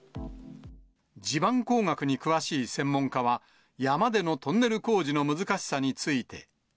地盤工学に詳しい専門家は、山でのトンネル工事の難しさについて。